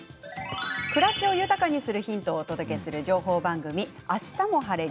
暮らしを豊かにするヒントをお届けする情報番組「あしたも晴れ！